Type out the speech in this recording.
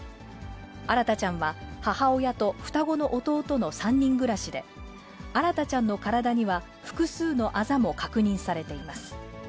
新大ちゃんは母親と双子の弟の３人暮らしで、新大ちゃんの体には複数のあざも確認されています。